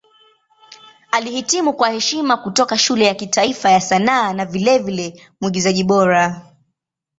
Alihitimu kwa heshima kutoka Shule ya Kitaifa ya Sanaa na vilevile Mwigizaji Bora.